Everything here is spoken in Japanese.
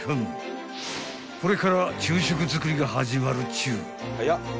［これから昼食作りが始まるっちゅう］